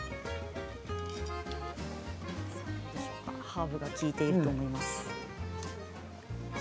ハーブが利いていると思います。